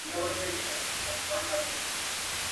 زخیرې مي کړلې ډیري شین زمری پر جنګېدمه.